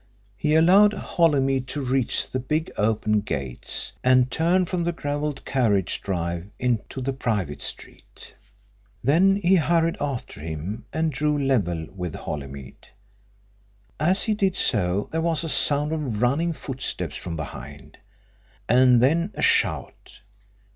He allowed Holymead to reach the big open gates, and turn from the gravelled carriage drive into the private street. Then he hurried after him and drew level with Holymead. As he did so there was a sound of running footsteps from behind, and then a shout.